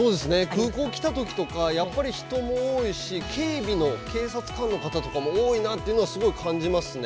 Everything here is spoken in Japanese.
空港来た時とかやっぱり人も多いし警備の警察官の方とかも多いなっていうのはすごい感じますね。